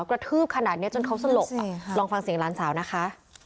กระทืบขนาดนี้จนเขาสลบลองฟังเสียงหลานสาวนะคะ